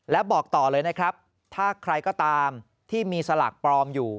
และบอกต่อเลยนะครับถ้าใครก็ตามที่มีสลากปลอมอยู่